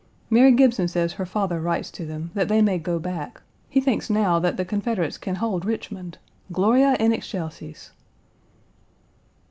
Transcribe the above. Mary Gibson says her father writes to them, that they may go back. He thinks now that the Confederates can hold Richmond. Gloria in excelsis!